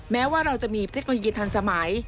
แม้ว่าเราจะมีเทคโนโลยีทันสมัย